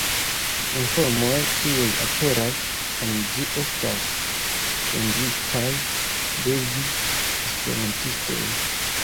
La informoj, kiuj aperas en ĝi, estas senditaj de vi, esperantistoj.